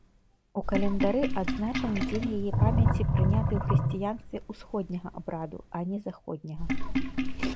У календары адзначаны дзень яе памяці прыняты ў хрысціянстве ўсходняга абраду, а не заходняга.